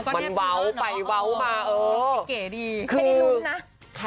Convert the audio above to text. มันเว้าไปเว้ามาอ่ะ